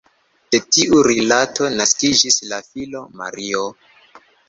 De tiu rilato naskiĝis la filo Mario.